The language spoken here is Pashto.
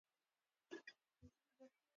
مخ دېوال ته باغ ونیو.